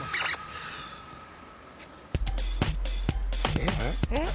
「えっ？」